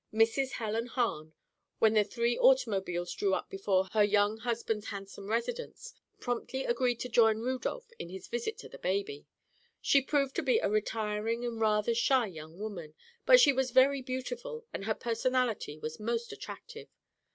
Mrs. Helen Hahn, when the three automobiles drew up before her young husband's handsome residence, promptly agreed to join Rudolph in a visit to the baby. She proved to be a retiring and rather shy young woman, but she was very beautiful and her personality was most attractive.